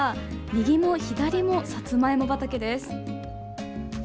右も左も、さつまいも畑です。